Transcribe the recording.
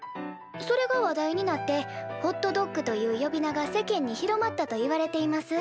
それが話題になってホットドッグという呼び名が世間に広まったといわれています」。